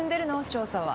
調査は。